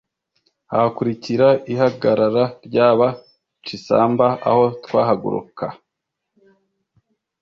ahakurikira ihagarara ryaba chisamba, aho twahaguruka